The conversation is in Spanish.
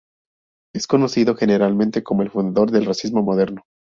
Es conocido generalmente como el fundador del racismo moderno.